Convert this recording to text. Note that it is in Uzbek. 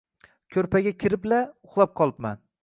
Ko‘rpaga kirib-la, uxlab qolibman